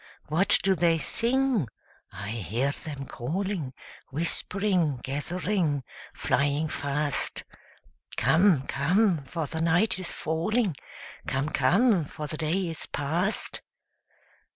What do they sing? I hear them calling, Whispering, gathering, flying fast, 'Come, come, for the night is falling; Come, come, for the day is past!'